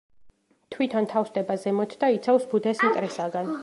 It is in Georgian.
თვითონ თავსდება ზემოთ და იცავს ბუდეს მტრისაგან.